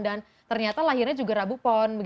dan ternyata lahirnya juga rabu pon